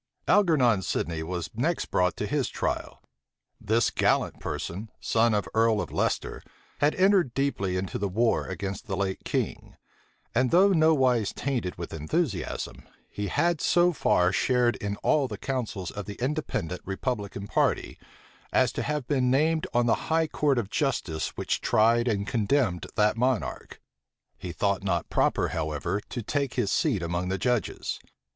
Algernon Sidney was next brought to his trial. This gallant person, son of the earl of Leicester, had entered deeply into the war against the late king; and though nowise tainted with enthusiasm, he had so far shared in all the counsels of the Independent republican party, as to have been named on the high court of justice which tried and condemned that monarch: he thought not proper, however, to take his seat among the judges.